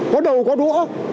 có đầu có đũa